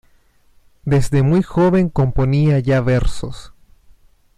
Desde muy joven componía ya versos.